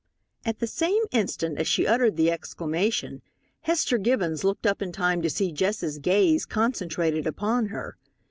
At the same instant as she uttered the exclamation, Hester Gibbons looked up in time to see Jess's gaze concentrated upon her.